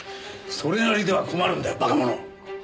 それなりでは困るんだよ馬鹿者！